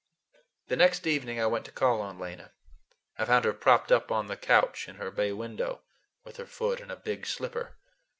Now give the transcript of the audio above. The next evening I went to call on Lena. I found her propped up on the couch in her bay window, with her foot in a big slipper.